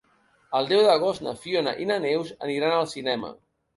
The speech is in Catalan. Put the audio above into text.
El deu d'agost na Fiona i na Neus aniran al cinema.